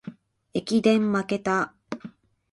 駅伝まけた